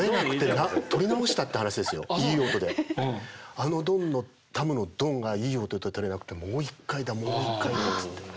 あのドンのタムのドンがいい音でとれなくてもう一回だもう一回だっつって。